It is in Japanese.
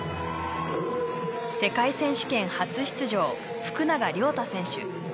世界選手権初出場福永凌太選手。